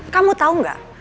kamu tau gak